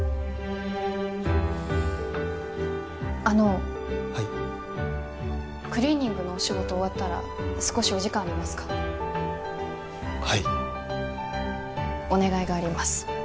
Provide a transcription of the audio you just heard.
あのはいクリーニングのお仕事終わったら少しお時間ありますか？